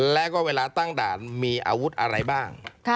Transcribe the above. แล้วก็เวลาตั้งด่านมีอาวุธอะไรบ้าง